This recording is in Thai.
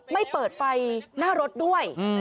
ไม่เปิดไฟหน้ารถด้วย